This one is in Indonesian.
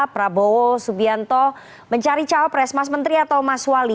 prabowo subianto mencari cawapres mas menteri atau mas wali